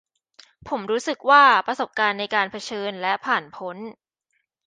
ผมรู้สึกว่า ประสบการณ์ในการ 'เผชิญ' และ 'ผ่านพ้น'